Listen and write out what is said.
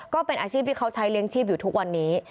ก็เป็นอาชีพที่เขาใช้เลี้ยงชีพอยู่ทุกวันนี้